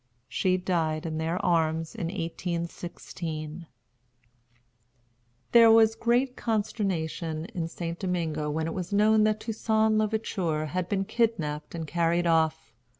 She died in their arms in 1816. There was great consternation in St. Domingo when it was known that Toussaint l'Ouverture had been kidnapped and carried off.